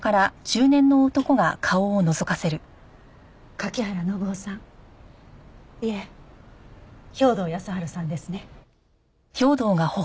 柿原伸緒さんいえ兵働耕春さんですね。